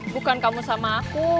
bukan kamu sama aku